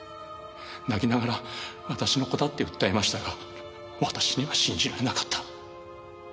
泣きながら私の子だって訴えましたが私には信じられなかった。